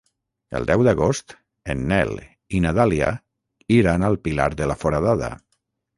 El deu d'agost en Nel i na Dàlia iran al Pilar de la Foradada.